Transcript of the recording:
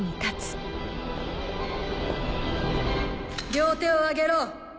両手を上げろ！